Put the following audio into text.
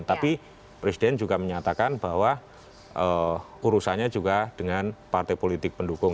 tapi presiden juga menyatakan bahwa urusannya juga dengan partai politik pendukung